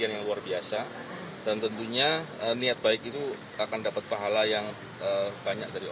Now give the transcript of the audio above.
novel baswedan menjawab